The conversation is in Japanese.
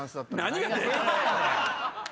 何がデータやねん！